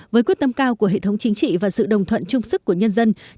với quyết tâm cao của hệ thống chính trị và sự đồng thuận trung sức của nhân dân